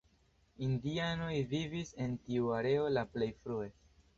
Indianoj vivis en tiu areo la plej frue.